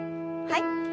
はい。